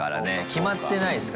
決まってないですからね。